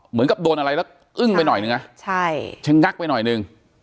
เหมือนกับโดนอะไรแล้วอึ้งไปหน่อยนึงนะใช่ชะงักไปหน่อยหนึ่ง